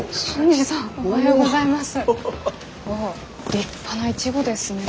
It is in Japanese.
立派なイチゴですね。